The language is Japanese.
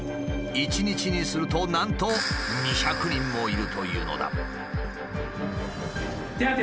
一日にするとなんと２００人もいるというのだ。